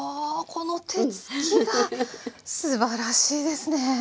この手つきがすばらしいですね！